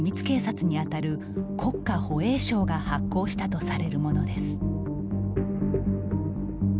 警察にあたる国家保衛省が発行したとされるものです。